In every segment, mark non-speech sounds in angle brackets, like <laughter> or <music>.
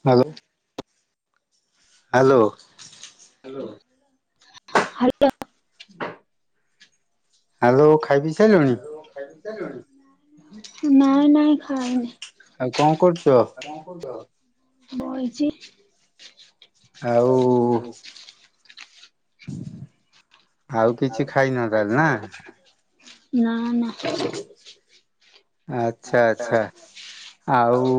Hello. Hello. Hello hello hello ଖାଇ ପି ସାଇଲଣି? ନାଇଁ ନାଇଁ ଖାଇନି। ଆଉ କଣ କରୁଛ? ବଇଚି ଆଉ ଆଉ କିଛି ଖାଇ ନ ତା ହେଲେ ନା। ନା ନା। ଆଚ୍ଛା ଆଛା। ଆଉ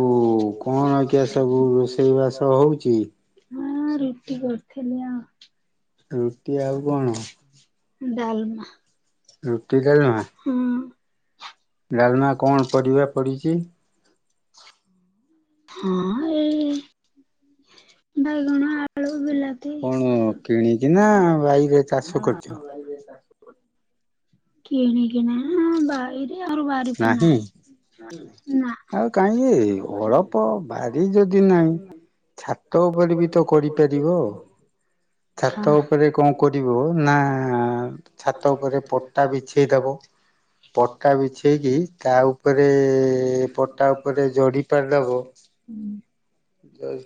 କଣ କିଆ ସବୁ ରୋଷେଇ ବାସ ହଉଛି। ହଁ ରୁଟି କରିଥିଲି ଆ ଡାଲମା ହୁଁ। ଡାଲମା କଣ ପରିବା ପଡିଚି? ହଁ ଏଇ ବାଇଗଣ ଆଳୁ କଣ କିଣିକିନା ବାଇରେ ଚାଷ କରୁଛ। କିନିକି ନା ବାଇରେ ଆରୁ ବାହାରି ଫେନା ଇ। ଆଉ କାହିଁକି ଅଳପ ଭାରି ଯଦି ନାହିଁ ଛାତ ଉପରେ ବି ତ କରିପାରିବ। ଛାତ ଉପରେ କଣ କରିବୁ ନା ଛାତ ଉପରେ ପଟା ବିଛେଇଦବ ପଟା ବିଛେଇକି ତା ଉପରେ ପଟା ଉପରେ ଜଡି ପାରିଦେବ। ହୁଁ। ଜରି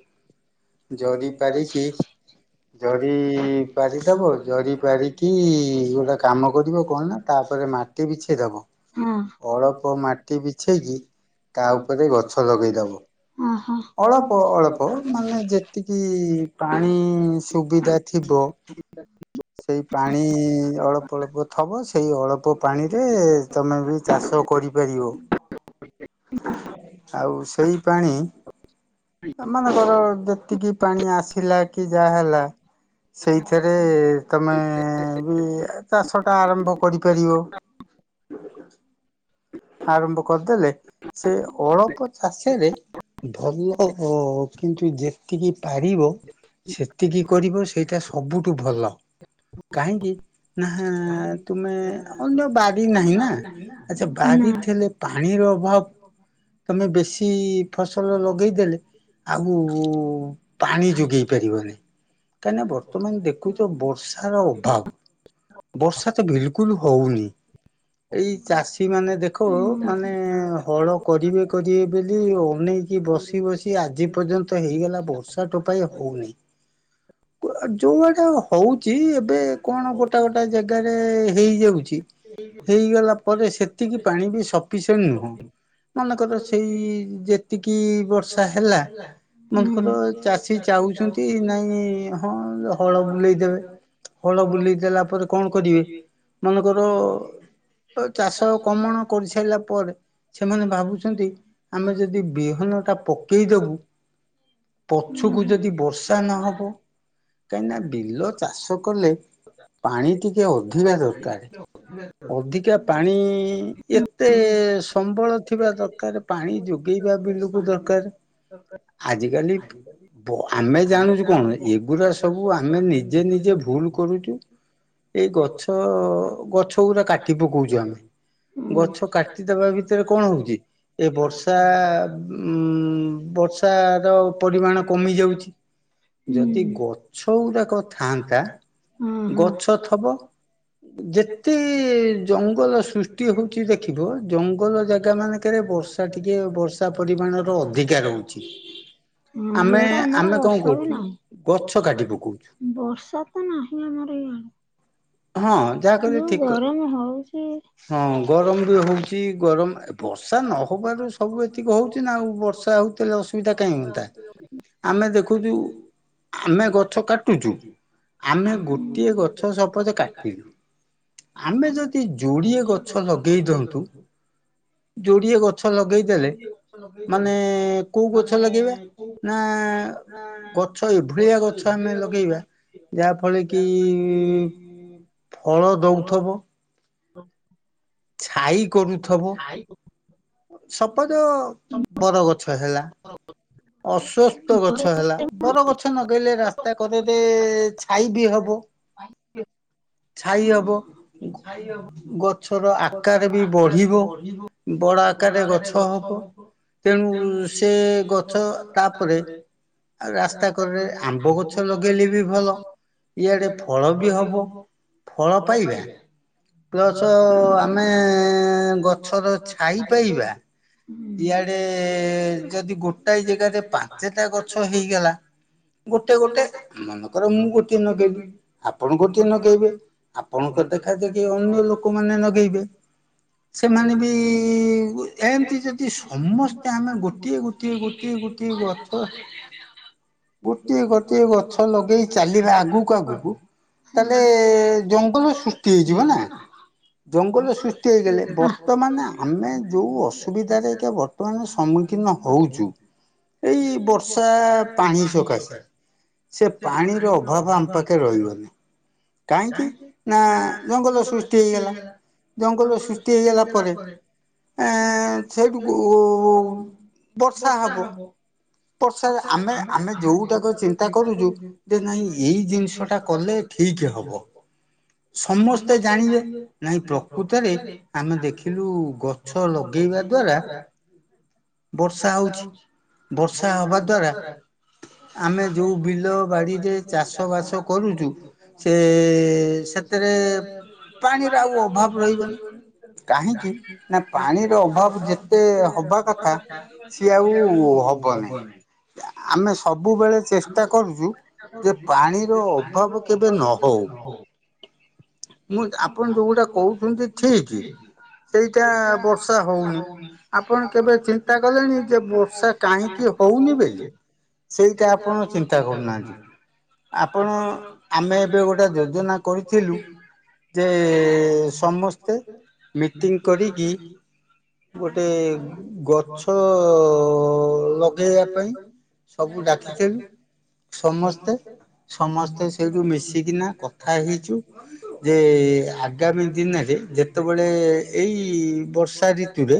ଜରି ପାରିକି ଜରି ପାରିଦବ ଜରି ପାରିକି ଗୋଟେ କାମ କରିବ କଣ ନା ତାପରେ ମାଟି ବିଛେଇ ଦବ ଅଳ୍ପ ମାଟି ବିଛେଇକି ତା ଉପରେ ଗଛ ଲଗେଇଦବ ଅଳପ ଅଳପ ମାନେ ଯେତିକି ପାଣି ସୁବିଧା ଥିବ ସେଇ ପାଣି ଅଳ୍ପ ଅଳ୍ପ ଥବ ସେଇ ଅଳପ ଅଳପ ପାଣି ରେ ତମେ ବି ଚାଷ କରିପାରିବ। ଆଉ ସେଇ ପାଣି ସେମାନଙ୍କର ଯେ ଏତିକି ପାଣି ଆସିଲା କି ଯାହା ହେଲା ସେଇଥିରେ ତମେ ବି ଚାଷ ଟା ଆରମ୍ଭ କରିପାରିବ। ଆ ଆରମ୍ଭ କରିଦେଲେ ସେ ଅଳପ ଚାଷରେ ଭଲ କିନ୍ତୁ ଯେତିକି ପାରିବ ସେତିକି କରିବ ସେଇଟା ସବୁଠୁ ଭଲ। କାହିଁକି ନା ତୁମେ ଅନ୍ୟ ବାରି ନାହିଁ ନା। ଆଚ୍ଛା ବାରି ଥିଲେ ପାଣିର ଅଭାବ ତମେ ବେଶୀ ଫସଲ ଲଗେଇଦେଲେ ଆଉ ପାଣି ଯୋଗେଇ ପାରିବ ନାହିଁ। କାହିଁ ନା ବର୍ତ୍ତମାନ ଦେଖୁଛ ବର୍ଷାର ଅଭାବ ବର୍ଷା ତ ବିଲୁ ବିକୁଲୁ ହଉନି ଏଇ ଚାଷୀମାନେ ଖୁ ମାନେ ହଳ କରିବେ କରିବେ ବୋଲି ଅନେଇକି ବସି ବସି ଆଜି ପର୍ଯ୍ୟନ୍ତ ପର୍ଯ୍ୟନ୍ତ ହେଇଗଲା ବର୍ଷା ଟୋପଏ ହଉନି। ଯୋଉ ଆଡା ହଉଛି ଏବେ କଣ ଗୋଟା ଗୋଟା ଜାଗାରେ ହେଇଯାଉଛି। ହେଇଗଲା ପରେ ସେତିକି ପାଣି ବି ସପିସେଣ୍ଟ ନୁହଁ। ମନେକର ସେଇ ଏତିକି ବର୍ଷା ହେଲା ମନେକର ଚାଷୀ ଚାଉଚନ୍ତି ନାଇଁ ହଁ ହଳ ବୁଲେଇଦବେ। ହଳ ବୁଲେଇ ଦେଲା ପରେ କଣ କରିବେ ମାନଙ୍କର ଚାଷ କମ ଭ୍ରମଣ କରିସାରିଲା ପରେ ସେମାନେ ଭାବୁଛନ୍ତି ଆମେ ଯଦି ବିହନ ଟା ପକେଇ ଦବୁ ପଛୁକୁ ଯଦି ବର୍ଷା ନହବ କାହିଁକିନା ବିଲ ଚାଷ କଲେ ପାଣି ଟିକେ ଅଧିକା ଦରକାର ଅଧିକା ପାଣି ଏତେ ସମ୍ବଳ ଥିବା ଦରକାର ପାଣି ଯୋଗେଇବା ବିଲକୁ ଦରକାରେ। ଆଜିକାଲି ଆମେ ଜାଣୁଛୁ କଣ ଏଗୁଡା ସବୁ ଆମେ ନିଜେ ନିଜେ ଭୁଲ କରୁଛୁ। ଏଇ ଗଛ ଗଛ ଗୂରା କାଟି ପକଉଛୁ ଆମେ। ଗଛ କାଟିଦବା ଭିତରେ କଣ ହଉଛି ଏ ବର୍ଷା ଉ ଉଁ ଵର୍ଷା ର ପରିମାଣ କମି ଯାଉଛି। ଯଦି ଗଛ ଗୁଡାକ ଥାଆନ୍ତା? ଗଛ ଥବ ଯେତେ ଜଙ୍ଗଲ ସୃଷ୍ ହଉଛି ଦେଖିବ ଜଙ୍ଗଲ ଜାଗା ମାନଙ୍କରେ ବର୍ଷା ଟିକେ ବର୍ଷା ପରିମାଣର ଅଧିକା ରହୁଛି। ହଁ ଇଆଡେ ଆମର ବର୍ଷା ବି ନାହିଁ ବର୍ଷା ତ ନାହିଁ। ଆମର ଇଆଡେ ଯଉ ଗରମ ହଉଛି। ବର୍ଷା ନହବାରୁ ସବୁ ଏତିକି ହଉଛି ନା ଆଉ ବର୍ଷା ହଉଥିଲେ ଆସୁଭିଦା କାଇଁ ହ୍ନୁଅନ୍ତା ଆମେ ଦେଖୁଚୁ ଆମେ ଗଛ କାଟୁଉଚୂ। ଆମେ ଗୋଟିଏ ଗଛ ସପଜେ କାଟିଲୁ ଆମେ ଯଦି ଯୋଡିଏ ଗଛ ଲଗେଇ ଦିଅନ୍ତୁ। ଗଛ ଲଗେଇଦଲେ ମାନେ କୋଉ ଗଛ ଲଗେଇ ବା ଗଛ ଏଭଳିଆ ଗଛ ଆମେ ଲଗେଇବା ଯାହା ଫଳରେ କି ଫଳ ଦଉଥିବ ହଁ। ଛାଇ କରୁଥବ। ସପଜ ବର ଗଛ ହେଲା। ଅସ୍ୱସ୍ଥ ଗଛ ହେଲା ବର ଗଛ ନଗେଇଲେ ରାସ୍ତା କଡ଼ରେ ଛାଇ ବି ହବ। ଛାଇ ହବ। ଛାଇ ହବ। ଗଛର ଆକାର ବି ବଢିବ ବଡ ଆକାରରେ ଗଛ ହବ। ତେଣୁ ସେ ଗଛ ତାପରେ ଆଉ ରାସ୍ତା କଡରେ ଆମ୍ବ ଗଛ ଲଗେଇଲେ ବି ଭଲ। ଇଆଡେ ଫଳ ବି ହବ ଫଳ ପାଇବା ପ୍ଲସ ଆମେ ଗଛର ଛାଇପଇବା। ଇଆଡେ ଯଦି ଗୋଟାଏ ଜାଗାରେ ପାଞ୍ଚଟା ଗଛ ହେଇଗଲା। ଗୋଟେ ଗୋଟେ ମନେକର ମୁଁ ଗୋଟିଏ ନଗେଇଲି ଆପଣ ଗୋଟିଏ ନଗେଇବେ। ଆପଣଙ୍କ ଦେଖା ଦେଖି ଅନ୍ୟ ଲୋକମାନେ ଲଗେଇବେ। ସେମାନେ ବି ଏମତି ଯେ ସମସ୍ତେ ଆମେ ଗୋଟିଏ ଗୋଟିଏ ଗୋଟିଏ ଗୋଟିଏ ଗଛ ଗୋଟିଏ ଗୋଟିଏ ଗଛ ଲଗେଇ ଚାଲିବା। ଆଗକୁ ଆଗକୁ ତାହଲେ ଜଙ୍ଗଲ ସୃଷ୍ଟି ହେଇଯିବ ନା। ଜଙ୍ଗଲ ସୃଷ୍ଟି ହେଇଗଲେ ବର୍ତ୍ତମାନ ଆମେ ଯୋଉ ଅସୁବିଧାରେ ବର୍ତ୍ତମାନ ସମ୍ମୁଖୀନ ହଉଛୁ। ଏଇ ବର୍ଷା ପାଣି ସକାଶେ ସେ ପାଣିର ଅଭାବ ଆମ ପାଖେ ରହିବନି କାହିଁକି ନା ଜଙ୍ଗଲ ସୃଷ୍ଟି ହେଇଗଲା। ଜଙ୍ଗଲ ସୃଷ୍ଟି ହେଇଗଲା ପରେ ଆଁ ସେଇଠୁକୁ ବର୍ଷା ହବ। ବର୍ଷା ଆମେ ଆମେ ଯୋଉଟାକ ଚିନ୍ତା କରୁଛୁ ଯେ ନାଇଁ ଏଇ ଜିନିଷ ଟା କଲେ ଠିକ ହବ। ସମସ୍ତେ ଜାଣିବେ ନାଇଁ ପ୍ରକୃତରେ ଆମେ ଦେଖିଲୁ ଗଛ ଲଗେଇ <inaudible> ବର୍ଷା ହଉଛି। ହବା ଦ୍ଵାରା ଆମେ ଯୋଉଁ ବିଲ ବାଡିରେ ଚାଷ ବାସ କରୁଚୁ। ସେ ସେଥିରେ ପାଣିର ଆଉ ଅଭାବ ରହିବନି କାହିଁକି ନା ପାଣିର ଅଭାବ ଯେତେ ହବା କଥା ସିଏ ଆଉ ହବ ହବନି। ଆମେ ସବୁବେଳେ ଚେଷ୍ଟା କରୁଛୁ। ଚେଷ୍ଟା କରୁଚୁ ଯେ ପାଣିର ଅଭାବ କେବେ ନହଉ। ମୁଁ ଆପଣ ଯୋଉଁ ଗୋଟା କହୁଛନ୍ତି ଠିକ। ସେଇଟା ବର୍ଷା ହଉନି ଆପଣ କେବେ ଚିନ୍ତା କଲେଣି ଯେ ବର୍ଷା କାହିଁକ କି ହଉନି ବୋଲି ସେଇଟା ଆପଣ ଚିନ୍ତା କରୁନାହାନ୍ତି। ଆପଣ ଆମେ ଏବେ ଗୋଟେ ଯୋଜନା କରିଥିଲୁ। ଯେ ସମସ୍ତେ ମିଟିଂ କରିକି ଗୋଟେ ଗଛ ଲଗେଇବା ପାଇଁ ସବୁ ଡାକିଥିଲୁ। ସମସ୍ତେ। ସମସ୍ତେ ସେଇଠୁ ମିଶିକିନା କଥା ହେଇଛୁ ଯେ ଆଗାମୀ ଦିନରେ ଯେତେବେଳେ ଏଇ ବର୍ଷା ଋତୁରେ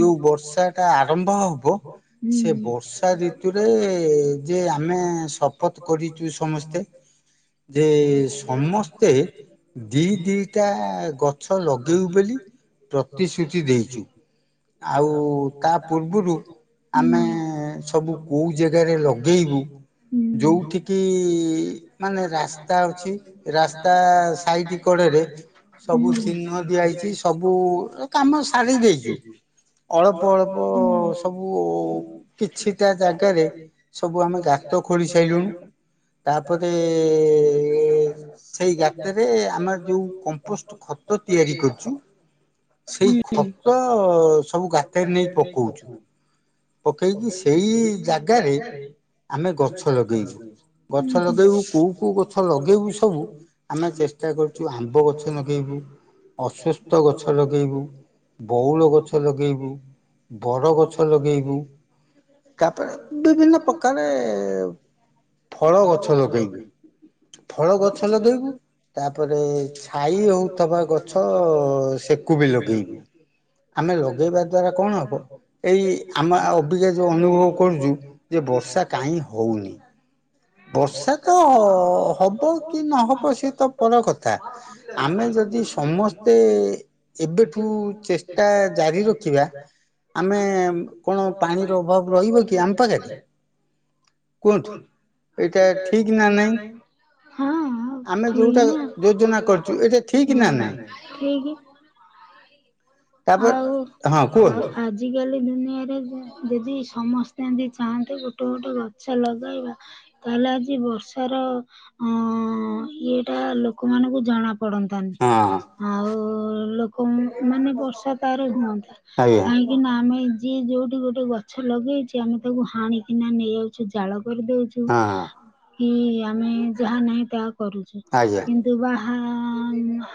ଯୋଉଁ ବର୍ଷା ଟା ଆରମ୍ଭ ହବ ସେ ବର୍ଷା ଋତୁରେ ଯେ ଆମେ ଶପଥ କରିଛୁ ସମସ୍ତେ ଯେ ସମସ୍ତେ ଦି ଦିଇଟା ଗଛ ଲଗେଇ ବୋଲି ପ୍ରତିଶ୍ରୁତି ଦେଇଚୁ। ଆଉ ତା ପୂର୍ବରୁ ଆମେ ସବୁ କହୁ ଜେଗାରେ ଲଗେଇବୁ ଯୋଉଠିକି ମାନେ ରାସ୍ତା ଅଛି ରାସ୍ତା ସାଇଡ କଡରେ ରେ ସବୁ ଚିହ୍ନ ଦିଆଇଛି। ସବୁ କାମ ସାରି ଦେଇଛୁ। ଅଳ୍ପ ଅଳ୍ପ ସବୁ କିଛିଟା ଜାଗା ଗାରେ ସବୁ ଆମେ ଗାତ ଖୋଳି ସାଇଲୁଣୁ। ତାପରେ ସେଇ ଗାତରେ ଆମର ଯଉ କମ୍ପୋଷ୍ଟ ଖତ ତିଆରି କରୁଚୁ। ସେଇ ଖତ ସବୁ ଗାତରେ ନେଇ ପକଉଚୁ। ପକେଇକି ସେଇ ସେଇ ଜାଗାରେ ଆମେ ଗଛ ଲଗେଇବୁ ଗଛ ଲଗେଇ କୋଉ କୋଉ ଗଛ ଲଗେଇବୁ ସବୁ ଆମେ ଚେଷ୍ଟା କରୁଛୁ ଆମ୍ବ ଗଛ ଲଗେଇବୁ ଅସ୍ଵସ୍ଥ ଗଛ ଲଗେଇବୁ। ଲଗେଇବୁ ବଉଳ ଗଛ ଲଗେଇବୁ। ବର ଗଛ ଲଗେଇବୁ। ତାପରେ ବିଭିନ୍ନ ପ୍ରକାରେ ଫଳ ଗଛ ଲଗେଇବୁ। ଫଳ ଗଛ ଲଗେଇବୁ। ତାପରେ ଛାଇ ହଉଥିବା ଗଛ ସେ କୁ ବି ଲଗେଇବୁ ଆମେ ଲଗେଇବା ଦ୍ଵାରା କଣ ହବ ଏଇ ଆମ ଅବିକା ଯଉ ଅନୁଭବ କରୁଛୁ ଯେ ବର୍ଷା କାଇଁ ହଉନି। ବର୍ଷା ତ ହବ କି ନହବ ସେ ତ ପର କଥା ଆମେ ଯଦି ସମସ୍ତେ ଏ ଏବେଠୁ ଚେଷ୍ଟା ଜାରି ରଖିବା ଆମେ କଣ ପାଣିର ରହିବ କି ଆମ ପାଖରେ କୁହନ୍ତୁ। ଏଇଟା ଠିକ୍ ନା ନାଇଁ। ଆମେ ଯୋଉଟା ଯୋଜନା କରୁଛୁ ଏଇଟା ଠିକ୍ ନା ନାଇଁ। ଆଉ ଆଜିକାଲି ଦୁନିଆରେ ଯଦି ସମସ୍ତେ ଯଦି ଚାହାନ୍ତେ ଗୋଟେ ଗୋଟେ ଗଛ ଲଗେଇବା ତାହେଲେ ଆଜି ବର୍ଷାର ଅଁ ଇଏଟା ଲୋକମାନଙ୍କୁ ଜଣା। ପଡନ୍ତାନି ଆଉ ଲୋକ ମାନେ ବର୍ଷ ତତାର ହୁଅନ୍ତା କାହିଁକି ନା ଆମେ ଯିଏ ଯୋଉଠି ଗୋଟେ ଗଛ ଲଗେଇଛି ଆମେ ତାକୁ ହାଣ କିନା ନେଇ ଯାଉଛୁ ଜାଳ କରିଦଉଛୁ କି ଆମେ ଯାହା ନାହିଁ ତାହା କରୁଛୁ କିନ୍ତୁ ବାହା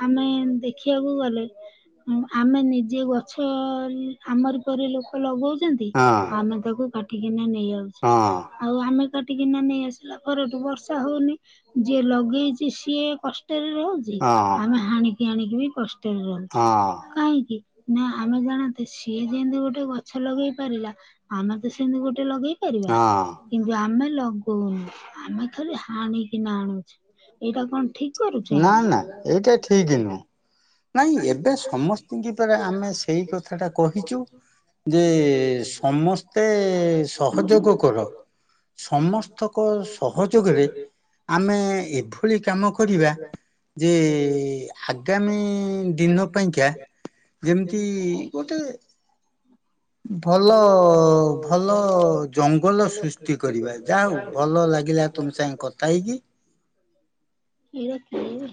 ଆମେ ଦେଖିବାକୁ ଗଲେ ଆମେ ନିଜେ ଯେ ଗଛ ଆମରି ପରି ଲୋକ ଲଗଉଛନ୍ତି ଆମେ ତାକୁ କାଟିକିନା ନେଇ ହେଇଯାଉଛି ଆଉ ଆମେ କାଟିକିନା ନେଇ ଆସିଲା ପରଠୁ ବର୍ଷା ହଉନି ଯିଏ ଲଗେଇଛି ସିଏ କଷ୍ଟ କଷ୍ଟରେ ରହୁଛି ଆମେ ହାଣିକି ଆଣିକି ବି କଷ୍ଟରେ ରହୁଛୁ କାହିଁକି? ନା ଆମେ ଜାଣନ୍ତେ ସିଏ ଯେମିତି ଗୋଟେ ଗଛ ଲଗେଇ ପାରିଲା ଆମେ ତ ସେମିତି ଗୋଟେ ଲଗେଇ କରିବା କିନ୍ତୁ ଆମେ ଲଗୁ କହୁନି ଆମେ ଖାଲି ହାଣିକିନା ଆଣୁଛେ ଏଇଟା କଣ ଠିକ୍‌? ନା ନା ଏଇଟା ଠିକ୍ ନୁହଁ। ନାଇଁ ଏବେ ସମସ୍ତଙ୍କ ପରା ଆମେ ସେଇ କଥା ଟା କହିଛୁ। ଯେ ସମସ୍ତେ ସହଯୋଗ କର। ସମସ୍ତଙ୍କ ସହଯୋଗରେ ଆମେ ଏଭଳି କାମ କରିବା ଯେ ଆଗାମୀ ଦିନ ପାଇଁକା ଯେମିତି ଗୋଟେ ଭଲ ଭଲ ଜଙ୍ଗଲ ସୃଷ୍ଟି କରିବା ଯା ହଉ ଭଲ ଲାଗିଲା ତୁମ ସାଙ୍ଗେ କଥା ହେ କି। ଏଇରା କିଏ?